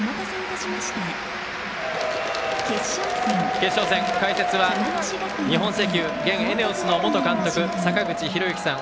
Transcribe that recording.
決勝戦、解説は日本石油、現ＥＮＥＯＳの元監督坂口裕之さん。